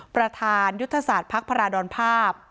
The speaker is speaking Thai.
ประธานยุทธศาสตร์ภักดิ์พระราดรภาพ